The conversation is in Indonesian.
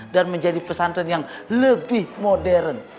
dan menjadi pesan tren yang lebih modern